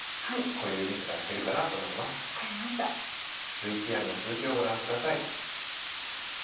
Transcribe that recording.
ＶＴＲの続きをご覧ください。